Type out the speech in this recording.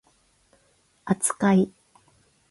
扱い